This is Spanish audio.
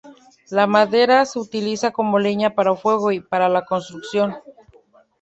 La madera se utiliza como leña para fuego y para la construcción.